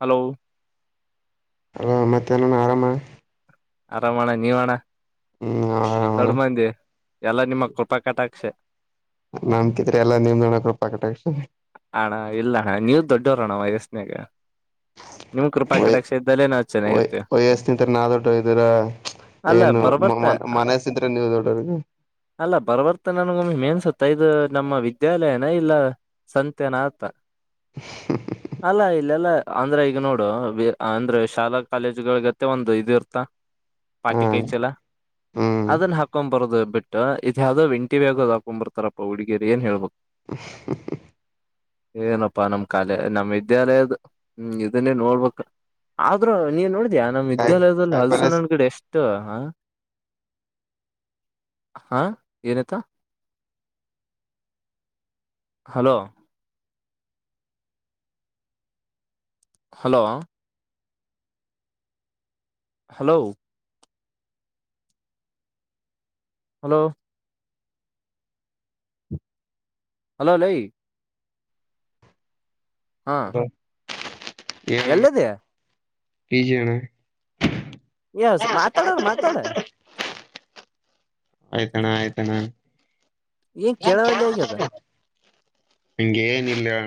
Hello ಅಲ ಮತ್ತೇನನ್ ಆರಾಮ ಆರಾಮ ಅಣ್ಣ ನೀವ ಅಣ್ಣ ಹ್ಮ್ ಆರಾಮ ದಡ್್ಮಂದಿ ಎಲ್ಲ ನಿಮ್ಮ ಕೃಪಾ ಕಟಾಕ್ಷಕ್ಷೆ ನಮ್ಕಿದ್ರೆ ಎಲ್ಲಾ ನಿಮ್ದ ನೋಣಕ ರೂಪ ಕಟ್ಟ ಅಕ್ಷ ಹಣ ಇಲ್ಲ ಹ ನೀವ ದೊಡ್ಡವರಣ ವಯಸ್ನ್ಯಾಗ ನಿಮ್ ಕೃಪಾ ಕಡಕ್ ಸ ವಯ ಇದ್ದಲ್ಲೇ ನಾವವು ಚೆನ್ನಾಗಿರ್ತೇವ ವಯಸ್ನಿಂತ್ರ ನಾ ದೊಡ್ಡ ಇದರ ಅಲ್ಲ ಏನು ಬರ್ಬರ್ತ ಮನಸ್ಸಿದ್ರೆ ನೀವು ದೊಡ್ಡವ್ರಿಗೆ ಅಲ್ಲ ಬರ್ಬರ್ತ ನನ್ಗ ಒಮ್ಮ ಮೇನ್ಸತ್ತ ಮತ್ತ ಇದು ನಮ್ಮ ವಿದ್ಯಾಲಯನ ಇಲ್ಲ ಸತ್ಯನಾಥ ಅಲ್ಲ ಇಲ್ಲ ಅಲ್ಲ ಅಂದ್ರೆ ಈಗ ನೋಡು ಅಂದ್ರೆ ಶಾಲಾ ಕಾಲೇಜುಗಳಗತ್ತೆ ಒಂದು ಇದ ಇರ್ತ ಹ ಪಾಟಿ ಕಾಯ ಚಲ ಹ್ಮ್ ಅದನ್ನ ಹಾಕೊ್ ಬರದು ಬಿಟ್ಟು ಇದ್ ಯಾವ್ದೋ ಎಂಟಿ ವ್ಯಾಗದ ಹಾಕೊಂಡ್ ಬರ್ತಾರಪ್ಪ ಹುಡುಗಿಯರಿ ಏನ್ ಹೇಳ್ಬೇಕು ಹ ಏನಪ್ಪಾ ನಮ ಕಾಲ ನಮ್ಮ್ ವಿದ್ಯಾಲಯದ ಹ್ಮ್ ಇದನ್ನೇ ನೋಡ್ಬೇಕ ಆದ್ರೂ ನೀ ನೋ ಅ ನಮ್ಮ ಕಾಯ ವಿದ್ಯಾಲಯದಲ್ಲಿ ಕಾಯಿಪಲ್ಯ ಹಲ್ಸಣ್ಣಂದ್ ಗಡೆ ಎಷ್ಟು ಹಾ ಹಾ ಏನತ hello hello hello hello hello ಲೈ ಹೌದು ಎಲ್ಲದೆಯ ಪಜಿಯಣ ಎಸ್ ಮಾತಾಡಾರ ಮಾತಾಡ ಆಯ್ತಣ್ಣ ಆಯ್ತಣ್ಣ ಏನ್ ಕೆಳವಲ್ಲಿ ಹಗ್ಯದ ಇಂಗಗೆನ ಇಲ್ಲಣ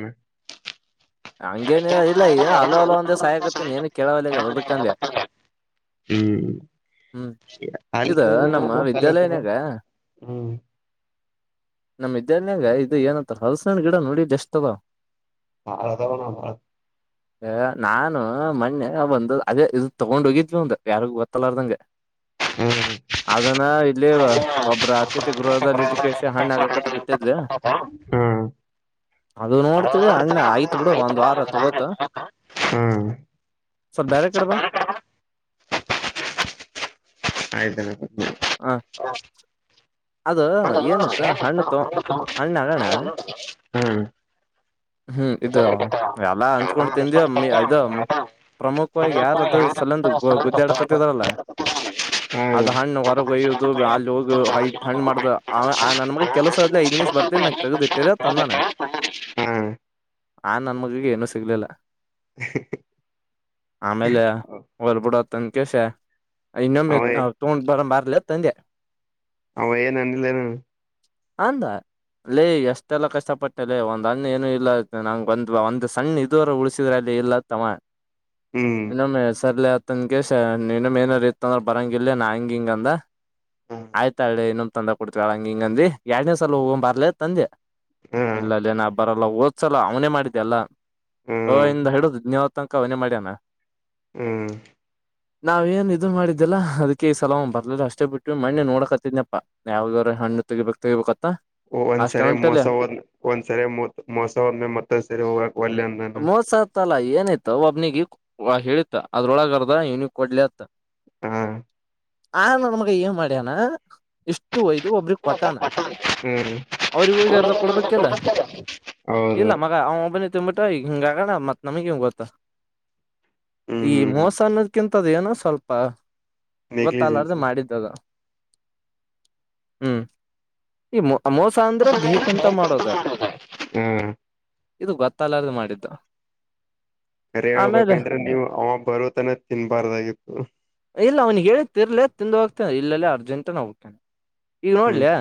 ಹಂಗೇನ ಇಲ್ಲ ಈ ಹಲೋ ಹಲ ಒಂದೇ ಸಹಾಯ ಆಕತ್ತೇನ ಏನ ಕೇಳವಲ್ಲಗ ಅದಕ್ಕಂದೆ ಹ್ಮ್ ಹ್ಮ್ ಇ ನಮ್ಮ ವಿದ್ಯಾಲಯ ನ್ಯಾಗ ನಮ್ಮ ವಿದ್ಯಾರ್ಯಂಗ ಇದು ಏನತ್ರ ಹಲಸನ್ ಗಿಡ ನೋಡಿದ್ದು ಎಷ್ಟವ ಹಾದ ಅ ನಾನು ಮೊನ್ನೆ ಬಂದು ಅದೇ ಇದದು ತಗೊಂಡ್ ಹೋಗಿದ್ವಿಂದ ಯಾರಿಗು ಗೊತ್ತಲ್ಲಾರದಂ ಹ್ಮ್ ಅನ್ನ ಇಲ್ಲಿ ಹ್ಮ್ ಹ್ಮ್ ಒಬ್ಬ್ರ ಅತಿಥಿ ಗೃಹದಲ್ಲಿ ಇಟ್ಟಕ್ಕೆಷ್ಟ ಹಣ್ಣು ಆಕಕಂತ ಬಿಟ್ಟಿದಿ ಅದು ನೋಡ್ತೀವಿ ಅಣ್ಣ ಆಯ್ತ ಬಿಡ ಒಂದು ಆಯ್ತಣ್ಣ ವಾರ ತಗತ ಸ್ವಲ್ಪ ಬೇರೆ ಕಡೆ ಬಾ ಹ್ಮ್ ಆಯ್ತ ಆಯ್ತು ಹ ಹಾ ಅದ ಏನಯತ ಹಣ್ಣು ತೋ ಹಣ್ಣ ಆಗೋಣ ಹ್ಮ್ ಹ್ಮ್ ಇದು ಎಲ್ಲ ಅಂಚ್ಕೊಂಡ್ ತಿಂದಿ ಇದು ಪ್ರಮುಖವಾಗಿ ಯಾರ ಅದು ಸಲಂದು ಗುದ್ದೆ ಆಡಕತಿದಾರಲ್ಲ ಅದ್ ಹಣ್ಣ ಹೊರಗ ಒಯ್ಯುದು ಅಲ್ಲಿ ಹೋಗ ಹಣ್ಣ್ ಮಾಡ್ದ ಆ ನನ್ ಮಗ ಕೆಲ್ಸ ಅದಲಿ ಐದ ನಿಮಿಷ್ ಬರ್ತನಿ ನಕ ತೆಗ್ದಿಟ್ಟರಿ ತಂದಾನೆ ಹ್ಮ್ ಆ ನನ್ ಮಗಿಗೆ ಏನುೂ ಸಿಗ್ಲಿಲ್ಲ [inaudible] ಆಮೇಲೆ ಹೊಲ್ಬಿಡ [inaudible] ಇನ್ನೊಮ್ಮ ಅವೇ ತೊಂಡ್ ಬರಮಿ ಎಲ್ಲ ತಂದೆ ಅವ ಏನುನ್ನಿಲ್ಲೇ ನ ಅಂದ ಲೇ ಎಷ್ಟೆಲ್ಲ ಕಷ್ಟಪಟ್ಟಲ್ಲ ಒಂದ್ ಅ್ಣ ಏನು ಇಲ್ಲ ನಂಗ ಬಂದ್ ಒಂದ ಸಣ್ಣ ಇದುವರ ಉಳಸಿದ್ರ ಅಲ್ಲಿ ಇಲ್ಲತ್ತಮ್ಮ ಹ್ಮ್ ಇನ್ನೊಮ್ಮೆ ಸರ್ಲತ ನಗೆ ಇನ್ನ್ ಏನ ಇತ್ತ ಅಂದ್ರೆ ಬರಂಗ ಇಿಲ್ಲ ನಾ ಹಂಗ ಹಿಂಗಂದ ಹ ಆಯ್ತಾಳ್ಳೆ ಇನ್ನೊ್ ತಂದ್ರ ಕೊಡ್ತೀವಿಳ ಹಂಗ ಹಿಂಗಂದ ಎರಡನೇ ಸಲ ಹೋಗೊ ಬರ್ಲ ತಂದೆ ಇಲ್ಲಲ್ಲಿ ನ ಬರಲ್ಲ ಓದ್ಸಲ್ಲ ಅವನೇ ಮಾಡಿದ್ದೆ ಅಲ್ಲ ಹ ಹ್ಮ್ ಇಂದ ಹಿಡುದ್ಯ ತನಕ ಅವನೇ ಮಾಡ್ಯಣ ಹ್ಮ್ ನಾವ್ ಏನ್ ಇದು ಮಾಡಿದ್ದೆಲ್ಲ ಅದ್ಕ್ಕೆ ಸಲ್ ಬರ್ಲಿಲ್ಲ ಅಷ್ಟೇ ಬಿಟ್ಟವಿ ಮಣ್ಣೆ ನೋಡಕತ್ತಿದಿನ್ಯಪ್ಪಾ ಯಾವ್ದವ್ರ ಹಣ್ಣು ತೆಿಬೇಕ ಇತ್ತ [unintelligible] ಒಂದ್ಸರಿ ಮೋಸ ಹೋದ ಒಂದ್ಸರಿ ಮ ಮೋಸ ಹದ್ಮೆ ಮತ್ತೊಂದ್ ಸರಿ ಹವಾಗ ಒಲ್ಲಂದಾನ ವಾ ಹೇಳಿದ್ಅದ್ರೊಳಗರ್ದ ವನಗ್ ಕೊಡ್ಲ ಅತ್ತ ಹಾ ಆ ನಮಗ ಏನ್ ಮಾಡ್ಯಣ ಇಷ್ಟು ವೈದ ಇದು ಒಬ್ಬ್ರಿಗೆ ಕೊಟ್ಟಾನ ಹ್ಮ ಅವ್ರಿಗ್ ಹೋಗಿ ಅರ್ದ ಕೊಡ್ಬೇಕಿಲ್ಲ ಹೌದು ತಿಂಬಿಟ್ಟ ಈಗ ಹಿಂಗ ಆಗಣ ಮತ್ ನಮಗ ಹಿಂಗ ಗೊತ್ತ ಹ್ಮ್ ಈ ಹ್ಮ್ ಮೋಸ ಅನ್ನೋದಕಿಂತ ತ ತದ ಏನೋ ಸ್ವಲ್ಪ ಗೊತ್ತಲ್ಲಾರ್ದು ನೆಗ್ಲಿಜೆನ್ಸಿ ಮಾಡಿದ್ದದ. ಹ್ಮ್. ಈ ಮ ಮೋಸ ಅಂದ್ರೆ ಬೇಕಂತ ಮಾಡೋದ ಹಾ ಇದು ಗೊತ್ತಲ್ಲಾರ್ದ ಮಾಡಿದ್ದು. ಕರೆ ಹೇಳ್ಬೇಕಂದ್ರೆ ನೀವು ಆನ್ ಬರೋ ತನ ತಿನ್ಬಾರ್ದಾಗಿತ್ತು ತ್ತು ಇಲ್ಲೆಲ್ಲ ಅರ್ಜೆಂಟು ನಾವ್ ಹೋಕ್ಯಾನ್. ನೀ ಹ್ಮ್ ನೋಡ್ಲೆ.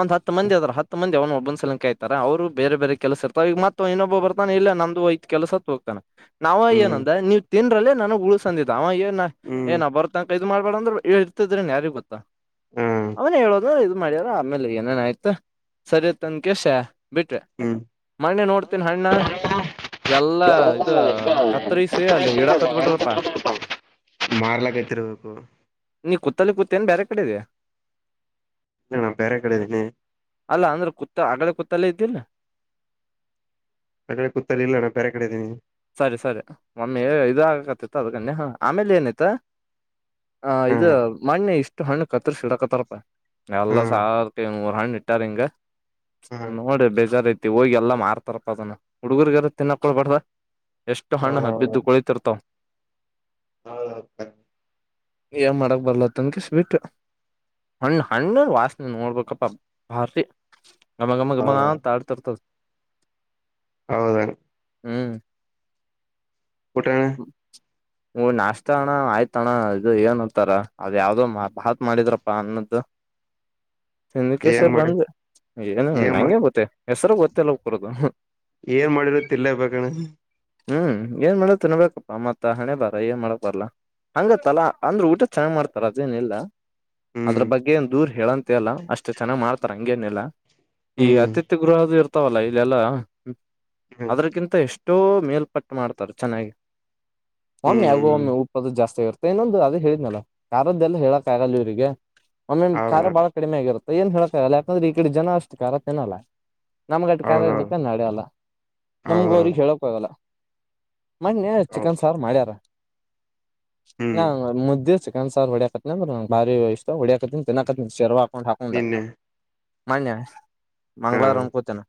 ಒಂದ್ ಹತ್ತು ಮಂದಿ ಅದಾರ ಹತ್ ಮಂದಿ ಅವನ ಒಬ್ಬನ ಸಲ ಕಾಯ್ತಾರೆ ಅವರು ಬೇರೆ ಬೇರೆ ಕೆಲಸ ಇರ್ತಾರೆ ಈವಗ ಮತ್ತ ಇನ್ನೊಬ್ಬ ಬರ್ತಾನೆ ಇಲ್ಲ ನಮ್ದು ಐದ್ ಕೆಲ್ಸಕ್ ಹೋಗ್ತಾನ. ನಾವ ಹ್ಮ್ ಏನಂದ ನೀವ್ ತಿನ್ದ್ರಲ್ಲೇ ನನ. ಉಳುಸ್ ಅಂದಿದ್ ಅವ ಏ. ನ ಏ ಹ್ಮ್ ನಾ ಬರೋ ತಂಕ ಇದ್ ಮಾಡ್ಬೇಡ ಅಂದ್ರುವೆ ಹೇಳಿದ್ ತ್ತಿದ್ರೆನ್ ಯಾರಿಗೊತ್ತು ಹಾ ಅವ್ನ ಹೇಳೋದು ಇದು ಮಾಡ್ಯ ದು ಆಮೇಲೆ ಏನೇನ್ ಆಯ್ತು ಸರಿಯತ್ತಂಕೇಶ ಬಿಟ್ರೆ ಹ್ಮ್ ಮಣ್ಣೆ ನೋಡ್ತಿನ್ ಹಣ್ಣ ಎಲ್ಲಾ ಇದು ಕತ್ರೀಸಿ ಅಲ್ಲಿ ಹಿಡ ಕತ್ಬಿಟ್ರಪ್ಪಾ ಎಲ್ಲ ಮಾರ್ಲಕೈತಿರ್ಬೇಕು ನೀ ಕುತ್ತಲ್ಲಿ ಕುತ್ ತಿನ್ ಬ್ಯಾರಿ ಕಡಿಗೆ ನಾ ಬೇರೆ ಕಡೆ ಇದೀನಿ ಅಲ್ಲ ಅಂದ್ರೆ ಕುತ್ತ ಆಗ್ಗಳೇ ಕುತ್ತಲ್ಲೇ ಇದ್ಯೇನು ಆ ಕಡೆ ಕೂತಲ್ಲಿ ಇಲ್ಲ ನಾ ಬೇರೆ ಕಡೆ ಇದೀನಿ ಸರಿ ಸರಿ ಒಮ್ಮೆ ಇದು ಆಗಕತಿತ್ತು ಅದಕನ್ನೆ ಹಾ ಆಮೇಲೆನಾಯ್ತು ಹ ಹಾ ಇದು ಮಣ್ಣೆ ಇಷ್ ಕ್ಕೆ ಹಣ್ಣು ಕತ್ತರಿಸೀಡಾಕತಾರಪ್ಪ ಎಲ್ಲ ಹಾ ಸಾವ್ರ್ ರೂಪಾಯಿಗ್ ಮೂರು ಹಣ್ಣು ಇಟ್ಟಾರಿಂಗ ಹಾ ನೋಡಿರ್ ಬೇಜಾರ್ ಆಗ್ತಿ ಹೋಗಿ ಎಲ್ಲಾ ಮಾರ್ ತರ್ಪದುನ್ನ ಹುಡುಗರಿ ಗಾರು ತಿನ್ನಕ್ಕೊಡ್ಬಾರ್ದ ಎಷ್ಟು ಹಣ್ಣು ಹ ಬ್ಬಿದ್ದು ಕುಳಿತಿರ್ತಾವ ನೋಡ್ಬೇಕಾ ಏನ್ ಮಾಡಕ್ ಬರ್ಲ [unintelligible] ಹಣ್ಣ ಹಣ್ಣು ವಾಸ್ನೆ ನೋಡ್ಬೇಕಪ್ಪ [unintelligible] ಗಮ ಗಮ ಹೌ ಗಮಾ ಅಂತ ಆಡ್ತಿರ್ತದ್ ಹೌದಾ ಹ್ಮ್ ಊಟ ಅಣ ಹೊ ನಾಷ್ಟ ಅಣ್ಣ ಆಯ್ತ ಅಣ್ಣ ಇದು ಏನ್ಂತಾರ ಅದ ಯಾವ್ದೋ ಮ ಭಾತ್ ಮಾಡಿದ್ರಪ್ಪ ಅನ್ನದ್ದು ಏನ್ ಮಾಡಿ [unintelligible] ಏನು ಏನ್ ಮಾಡ ನಂಗೆ ಗೊತ್ತೇ ಹೆಸರು ಗೊತ್ತಿಲ್ಲ ಕರದು ಏನ್ ಮಾಡಿರ ತಿನ್ಲೇಬೇಕಣ ಹ್ಮ್ ಏನ್ ಏನ್ ಮಾಡ ತಿನ್ಬೇಕು. ಹಾ ಮತ್ತ ಹಣೆ ಬರ ಏನ್ ಮಾಡಕ್ ಬರ್ಲ ಹಂಗತ್ತಲಾ ಅಂದ್ರೆ ಊಟ ಚೆನಾಗ್ ಮಾಡ್ತಾರ ಅದೇನಿಲ್ಲ ಹ್ಮ್ ಅದರ ಬಗ್ಗೆ ದೂರ್ ಹೇಳಂಗ್ ಲ್ಲ ಅಷ್ಟು ಚೆನ್ನಾಗ ಮಾಡ್ತಾರ ಹಂಗೇನಿಲ್ಲಾ ಈ ಹ್ಮ್ ಅತ್ತಿತ್ತಿಗ್ ಊರದು ಇರ್ತಾವಲ್ಲ ಇಲ್ಲೆಲ್ಲಾ ಹ್ಮ್ ಅದ್ರಕ್ಕಿಂತ ಎಷ್ಟೋ ಮೇಲ್ಪಟ್ಟು ಮಾಡ್ತಾರ ಚೆನ್ನಾಗಿ ಒಮ್ಮೆ ಹ್ಮ್ ಯಾಗೋ ಹ್ಮ್ ಒಮ್ಮೆ ಉಊಪ್ಪದು ಜಾಸ್ತಿ ಇರ್ತಾರೆ ೇಏನೊಂದು ಅದೇ ಹೇಳ್ನಲ್ಲ ಕಾರಾರದ್ದೆಲ್ಲ ಹೇಳಕ್ ಆಗಲ್ಲ ಇವ್ರರಿಗೆ ಒಮ್ಮ ಹೌದ ಖಾರ ಬಾಳ ಕಡಿಮೆ ಆಗಿರುತ್ತ ಏನ್ ಹೇಳಕ್ಕಲ್ಲ ಯಾಕಂದ್ರೆ ಈ ಕಡೆ ಜನಷ್ಟ ಖಾರ ತಿೆನಲ್ಲ ನಮ್ಗಟ್ಟ ಕಾಲ ಹೌದೌದು ಇದ್ದಕ್ಕ ನಡಲ್ಲ ನಮ್ಗ ಅವ್ರಿಗೆ ಹೌದೌದು ಹೇಳೋಕ್ ಹೋಗಲ್ಲ ಮ ಹೌದು ಚಿಕನ್ ಸಾರು ಮಾಡ್ಯಾರ ನ ಹ್ಮ್ ಮುದ್ದಿ ಚಿಕನ್ ಸಾರು ಹೊಡ್ಯಾಕತ್ತನ ಅಂದ ನ ಭಾರಿ ಇಷ್ಟ ಹೊಡಿಯಕತ್ತನಿ ತಿನ್ನಾಕನ್ ಶೇರ್ವಾ ೊಂಡ ಹಾಕೊಂಡ ನಿನ್ನೆ ಮನ್ಯ ಹಾ ಮಂಗ್ಗಳವಾರ ಅಂದನ್ಕೂತನ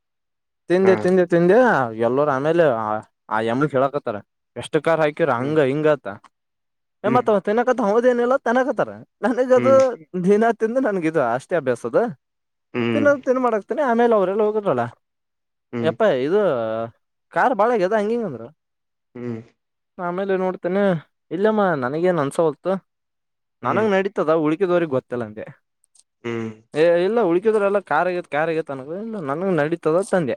ಹಾ ತಿಿಂದೆ ತಿೆ ತಿಿಂದೆ ಎಲ್ಲೋರ್ ಆಮೇಲೆ ಆ ಯಮ ಹೇಳಕತ್ತಾರ ಎಷ್ಟ ಹಾಕ್ಯರ ಹ್ಮ್ ಹಂಗ ಹಿಂಗತ ಹ್ಮ್ ಮತ್ತ ಇದೇನೆಲ್ಲ ತೆಕತಾರೆ ನೆದು ಹ್ಮ್ ದಿನ ನನ್ಗಿದದು ಅ ಷ್ಟೇ ಅಭ್ಯಾಸ ಅದ ಹ್ಮ್ ತಿನ್ನದು ತಿನ್ ಮಾಡಾಕ್ತೇನೆ ಆಮೇಲೆ ಅವ್ರಲ್ಲಿ ಹೋಗುದಲ್ಲ ಹ್ಮ್ ಎಪ್ಪ ಇದು ಕಾರ್ ಬಾಳಗ್ಯದ ಹಂಗಿಂಗ ಅಂದ್ರ ಹ್ಮ್ ಆಮೇಲೆ ಏ ನೋಡ್ತೇನೆ ಇಲ್ಲಮ್ಮ ನನಗ ಏನ್ ಅನ್ಸ ಹೊತ ನನಂಗ ಹ್ಮ್ ನಡೀತದ ಉಳ್ಕಿದವ್ರಗ್ ಗೊತ್ತಲ್ಲ ನಂಗೆ ಹ್ಮ್ ಏ ಇಲ್ಲ ಉುಳಕಿದ್ರ ಎಲ್ಲ ಕಾರ್ ಆಗತ್ ಕಾರ್ಗತ್ತ ಅನ ಇಲ್ಲ ನನ್ ನಡೀತದ ಸಂಜೆ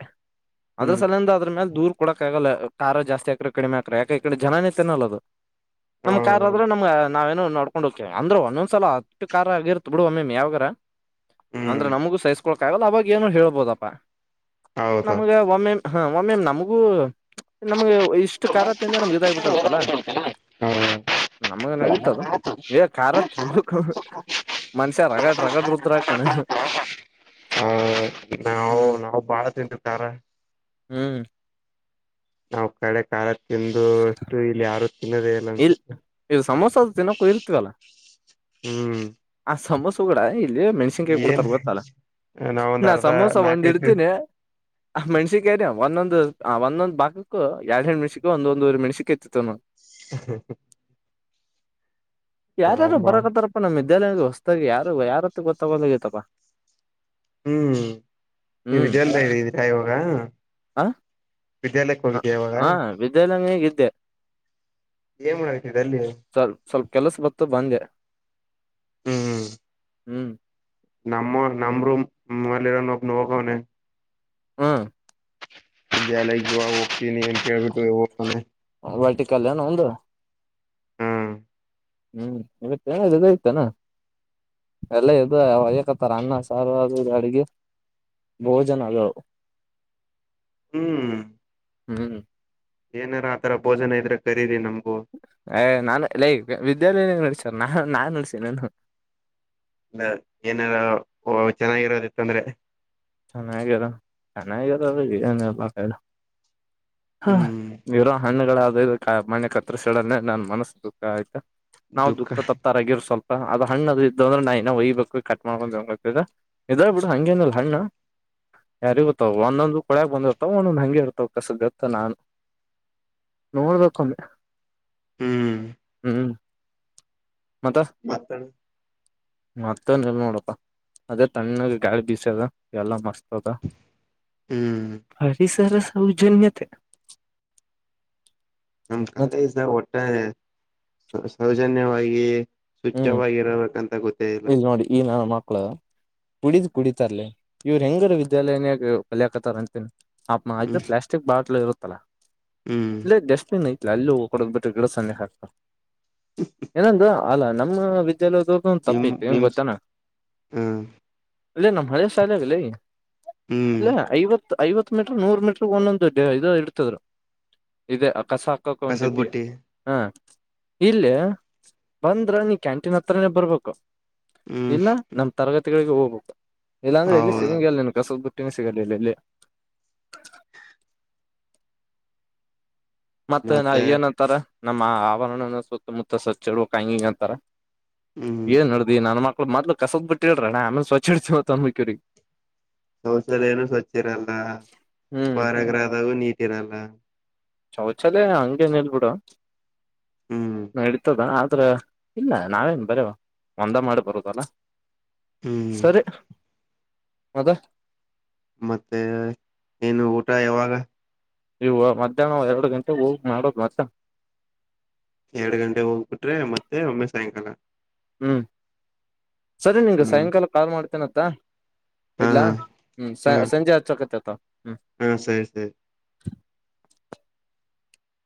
ಅದ್ರ ಹ್ಮ್ ಸಲಿಂದ ಅದ್ರ ಮೇಲ್ ದೂರ್ ಕೊಡಕ ಆಗಲ್ಲ ಕಾರ್ ಜಾಸ್ತಿ ಹಾಕ್ರ ಕಡಿಮೆಾಕ್ರ ಯಾಕೆ ಈ ಕಡೆ ಜನೇ ತಿನ್ನಲ್ಲ ಅದು ನಮ್ ಕಾರ್ ಹೌದು ಆದ್ರ ನಮಗ ನಾವೇನೋ ನಡ್ಕೊಂಡು ಹೋಗ್ತವಿ ಅಂದ್ರೆ ಒಂದೊಂದ್ಸಲ ಅಷ್ಟು ಕಾರ್ ಆಗಿರ್ತ್ ಬಿಡು ಒ ಮಮ್ಮಮ ಯಾವಾಗ ಅಂದ್ರೆ ಹ್ಮ್ ನಮಗೂ ಸಹಿಸ್ಕೊಳ್ಕ ಆಗಲ್ಲ ಅವಾಗ ಏನು ಹೇಳ್ಬೋದಪ್ಪಾ ಹೌದು ನಮ್ಗೆ ಒಮ್ಮೆ ಹಾ ಮ ಮ್ಯಮ್ ನಮಗೂ ನಮ್ಗೆ ಇಷ್ಟು ಖ ತಿಿಂದ ನಮ್ ಇದಾಗಬಿಟ್ಟಿರತ್ತಲ್ಲ ನಮಗ ನಡೀತದ ಬೇ ಕಾರತ್ ನಿಮ ಮನುಷ್ಯ ರಗ ರಾಗಡ ರರುದರಾಗ ಕ ಆ ನಾವು ಬಾಳ ತಿಂತಿತಾರ ಹ್ಮ್ ನಾವು ಕಳೆ ಕಾಲ ತಿಂದು ಅಷ್ಟು ಇಲ್ಲಿ ಯಾರ ಇಲ್ ಇದು ಸಮೋಸ ಅ ತಿಿನೋಕ್ಕೂ ಇರ್ತವಲ್ಲ ಹ್ಮ್ ಆ ಸಮೋಸ ಸುಗಡ ಮೆಣ್ಸಿನ್ಕಾಯಿ ಕೂಡ ಏನ್ ತರಗೊತ್ತಲ್ಲ ನಾವೊಂದ್ ನಾ ಅರ್ಧ ಸಮೋಸ ಒಂದ್ ನಾಕೈದು ಇಡ್ತೀನನೆ ಆ ಮೆ್ಸಿಿಕ್ರ ಒಂದೊಂದಂದು ಒಂದೊಂದ್ ಭಾಗಕ್ಕ ಎರಡ್ ಎರಡ್ ಮೆಣ್ಸಿ ಒಂದೊಂದ್ಊರ್ ಮೆಣ್ಿಕ್ ಇತಿತ್ತು ನ ಹ ಯಾರ್ಯಾರು ಬಾ ಬರಕತ್ತಾರಪ್ಪ ನಮ್ದ ವಿದ್ಯಾಲಯದಲ್ಲಿ ಹೊಸದಾಗ ಯಾರು ಯಾರತ್ರ ಗೊತ್ತಗೊ್ೋಗೈತ್ತಪ್ಪ ಹ್ಮ್ ನೀ ಹ್ಮ್ ವಿದ್ಯಾಲಯ ಇದಿದ್ದೀರಾ ಇವಾಗ ಆ ವಿದ್ಯಾಲಯಕ್ಕೆ ಆ, ಹೋಗಿದ್ದೀಯಾ ಇವಾಗ ಹಾ ವಿದ್ಯಾಲಯನಾಗ ಇದ್ದೆ ಏನ್ ಮಾಡತ ಅಲ್ಲಿ ಸ್ವಲ್ ಸ್ವಲ್ಪ ಕೆಲಸ ಬತ್ತು ಬಂದೆ ಹ್ಮ್ ಹ್ಮ ಹ್ಮ್ ನಮ್ಮ ನಂಬರುೂ ಮಲ್ಲಿರ ನ ನೋಕಣ ಹ್ಮ ಜ ಲಾಯಕ್ ಜವ ವೋಗಕ್ತಿ ನೀ ಎ ಕೆೇಳು ಇವ ಮನೆ ಬಲ್ಟ ಕಲ್ಯನ ಒಂದು ಹ್ಮ್ ಹ್ಮ್ ಇವತ್ತ ಏನ ಇದಐತಾನ ಎಲ್ಲ ಇದ ಅವ ಯಾಕತ್ತಾರ ಅನ್ನ ಸಾರಾರ ಅಡಿಗೆ ಭೋಜನ ಅದವು ಹ್ಮ್ ಹ್ಮ್ ಏನಾರ ಆ ತರ ಭೋಜನ ಇದ್ರೆಖರೀದಿ ನಮ್ ಹ ನಾನುಲ್ಲ ವಿದ್ಯಾಲಯ ನಡತನೆ ಸ ನಾ ನಾನ್ ಉಳ್ಸನು ಇಲ್ಲ ಏನಾರ ಚೆನ್ನಾಗಿರೋದಿತ್ತಂದ್ರೆ ಚೆನ್ನಾರ ಚೆನ್ನಾರ ಹ ಹ್ಮ್ ಇವರೋ ಹಣ್ಣುಗಳ ಮಣೆ ಕ ಹತ್ರಸ ಹೇಳಡೆ ನನ್ ಮನಸ್ಸುಃಖ ಆಯ್ತಾ ನಾವವು ದುಃಖ ದುಃಖತ ತಪ್ತಾರಾಗಿರ್ ಸ್ವಲ್ಪ ಅ್ ಹಣ್ಣ ಅದ ಇದ್ದಂದ್ರೆ ನಾ ಇನೋ ಒಯ್ಬೇಕು ಕಟ್ ಮಾಡ್ಕೊಂಡುಂಗ ಇದ ಬಿಡು ಹಂಗೇನಲ್ಲ ಹಣ್ಣ ಯಾರಿ ಗೊತ್ತ ಒಂದೊಂದು ಕೊಳ್ಯಾಗ ಬಂದ್ಿರ್ತಾವ ಒಂದೊಂದ ಹಂಗೆ ಇರ್ತವ ಕಸ್ದತ್ತ ನಾನು ನೋಡ್ಬೇಕೊಮ್ಮೆ ಹ್ಮ್ ಹ ಮತ್ತಣ ಮತ್ತನ್ ಎಲ್ ನೋಡಪ್ಪ ಅದೇ ತಣ್ಣಾಗ ಗಾಳಿ ಬೀಸದ ಎಲ್ಲ ಮಸ್ತ್ ಹ್ಮ್ ಪ್ಯಾರ ಸರ ಸೌಜನ್ಯತೆ ನಮ್ ಕಾಲ ಮತ್ತ ಈಸ ಒಟ್ಟಾರೆ ಜನ್ಯವಾಗಿ ಸ್ವಚ್ಛವಾಗಿರಬೇಕಂತ ಗೊತ್ತ ಇ್ ನೋಡಿ ಈ ನಾನು ಮಕ್ಳದ ಕುಡಿದ್ ಕುಡಿತಾರಲ ಇವ್ರು ಹೆಂಗಾರ ವಿದ್ಯಾಲಯನಯಾಗ ಕಲಾಕತಾರ ಅಂತೇನೆ ಅ ಇದು ಹ್ಮ್ ಪ್ಲಾಸ್ಟಿಕ್ ಬಾಟ್ಲ್ ಇರುತ್ತೆ ಹ್ಮ್ ತಲ ಇ ಜಸ್ಟನ್ಯ್ತ ಎಲ್ಲೂೋಗ ಕೊಡದ್ ಬಿಟ್ಟ ಗಿಡ ಸ್ಣೆ ಹಾತಾ ಏನಂದು ಅಲ್ಲ ನಮ್ಮ [inaudible] ನಿಮ್ಸ್ ಹು ಅಲ್ಲೇ ನಮ್ ಹಳೆ ಶಾಲಲ್ಲ ಹ್ಮ್ ಇಲ್ಲ ಐವತ್ತು ಐವತ್ ಮೀಟ್ರ ನೂರ್ ಮೀಟ್ರ ಒಂದೊಂದುಡ್ ಇದು ಇರ್ತದರು ಇದೆ ಕಸ ಹಾಕಕ ಒಂದು ಕಸದ ಡಬ್ಬಿ ಬುಟ್ಟಿ ಹಾ ಇಲ್ಲ ಬಂದ್ರ ನೀ ಕ್ಯಾಂಟೀನ್ ಹತ್ರನೇ ಬರ್ಬೇಕು ಹ್ಮ್ ಇಲ್ಲ ನಮ್ ತರಗತಿಗಳಿಗೆ ಹೋಗ [unintelligible] ಇಲ್ಲಾಂದ್ರೆ ಇಲ್ಲಿ ಹೌದು ಸಿಗಂಗಗೆಲ್ಲನ್ ಕಸಲ್ ಸಿಗಲ್ಲ ಅಲ್ಲ ಮತ್ತೆ ನ ಏನ್ಂತಾರ ನಮ್ಮ ಆವರಣ ಸುತ್ತಮುತ್ತ ಸಚ್ಚಿಡ ಕಂಗಿಂಗ ಅಂತಾರ ಹ್ಮ್ ಏನ್ ನಡ್ದಿ ನನ್ ಮ ಮೊದಲು ಕಸದ ಬಿಟ್ಟಿ ಹೇಳ್ರಣ ನ ಆಮೇ ಸ್ವಚ್ ಹಡ್ತತಿವತ್ ಅನ್ಬೇಕೂರಿ ಶೌಚಾಲಯನು ಸ್ವಚ್ ಇರಲ್ಲ ಹ್ಮ್ ಉಪಾರ ಗ್ರಹದವೂ ನೀ ಇರಲ್ಲ ಶೌಚಾಲಯ ಹಂಗೇನ ಇಲ್ಬಿಡ ಹ್ಮ್ ನಡೀತದ ಆ ಆದ್ರ ಇಲ್ಲ ನಾವೇನ್ ಬರ ಒಂದ ಮಾಡಿ ಬರುದಲ್ಲ ಹ್ಮ್ ಅದು ಮತ್ತೆ ಏನು ಊಟ ಯಾವಾಗ ನೀವು ಮಧ್ಯಾಹ್ನ ಎರಡು ಗಂಟೆಗೆ ಹೋಗಿ ಮಾಡೋದು ಮತ್ತ ಎರಡ್ ಗಂಟೆ ಹೋಗ್ಬಿಟ್ರೆ ಮತ್ತೆ ಒಮ್ಮೆ ಸಾಯಂಕಾಲ ಹ್ಮ್ ಸರಿ ನಿಗ ಹ್ಮ್ ಸಾಯಂಕಾಲ ಕಾಲ್ ಮಾಡ್ತೇನೆ ಹಾ ಹಾ ಇಡ್ಲಾ ಹಾ ಹ್ಮ್ ಹಾ ಸಂಜೆ ಹತ್ಕತ ಹಾ ಸರಿ ಸರಿ